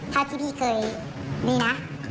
เท่าที่พี่เคยนี่นะ